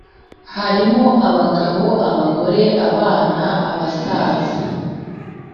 barimo abagabo, abagore, abana, abasaza,